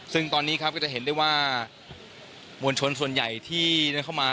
ซึ่งตอนนี้ครับก็จะเห็นได้ว่ามวลชนส่วนใหญ่ที่ได้เข้ามา